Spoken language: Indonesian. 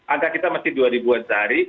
angka kita mesti dua ribu an sehari